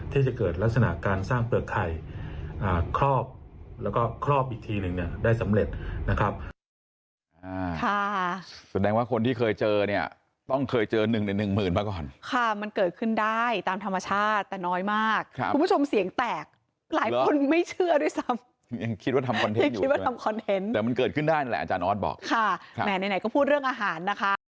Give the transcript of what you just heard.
ที่จะเกิดลักษณะการสร้างเปลือกไข่ครอบแล้วก็ครอบอีกทีหนึ่งเนี่ยได้สำเร็จนะครับ